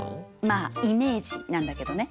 まあイメージなんだけどね。